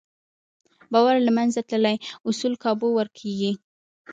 باور له منځه تللی، اصول کابو ورکېږي.